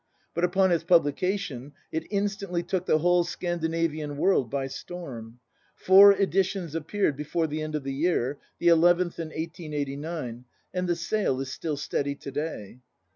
But upon its publication it instantly took the whole Scandinavian world by storm. Four editions appeared before the end of the year, the eleventh in 1889, and the sale is still steady to day.